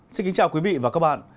xin kính chào quý vị và các bạn